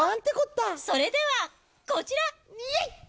それではこちら。